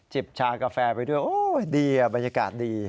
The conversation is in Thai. จิบชากาแฟไปด้วยดีอ่ะบรรยากาศดี